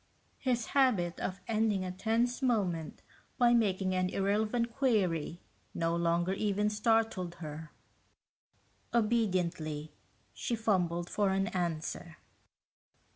His habit of ending a tense moment by making an irrelevant query no longer even startled her. Obediently, she fumbled for an answer.